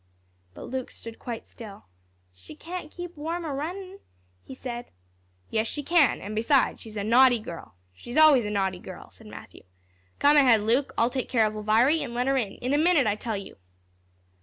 But Luke stood quite still. "She can't keep warm a runnin'," he said. "Yes, she can; and besides, she's a naughty girl. She's always a naughty girl," said Matthew. "Come ahead, Luke, I'll take care of Elviry, an' let her in, in a minute, I tell you."